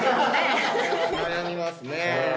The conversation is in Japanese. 悩みますね。